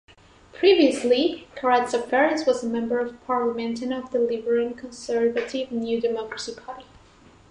Previously, Karatzaferis was a member of parliament of the liberal-conservative New Democracy party.